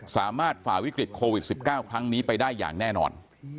ฝ่าวิกฤตโควิด๑๙ครั้งนี้ไปได้อย่างแน่นอน